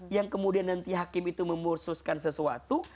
yang kemudian nanti hakim itu memursuskan sesuatu